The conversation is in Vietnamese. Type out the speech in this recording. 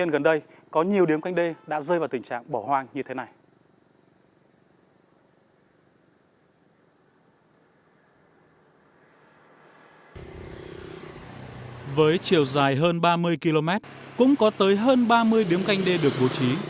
với chiều dài hơn ba mươi km cũng có tới hơn ba mươi điếm canh đê được bố trí